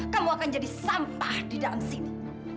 kamu akan jadi sampah di dalam sini